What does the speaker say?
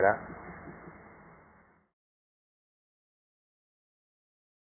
โอ้โหรอทั้งลาวเลย